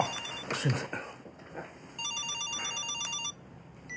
すいません。